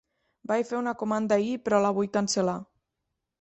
Vaig fer una comanda ahir però la vull cancel·lar.